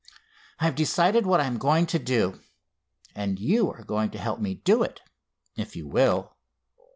I've decided what I'm going to do, and you are to help me do it, if you will."